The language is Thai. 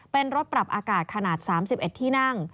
เป็นรถปรับอากาศขนาด๓๑ที่นั่ง